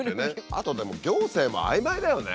あとでも行政も曖昧だよね。